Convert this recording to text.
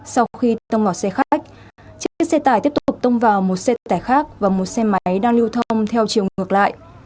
sau khi tông vào xe khách chiếc xe tải tiếp tục tông vào một xe tải khác và một xe máy đang lưu thông theo chiều ngược lại